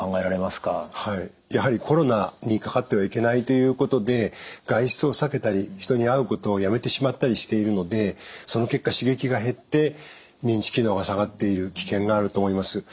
やはりコロナにかかってはいけないということで外出を避けたり人に会うことをやめてしまったりしているのでその結果刺激が減って認知機能が下がっている危険があると思います。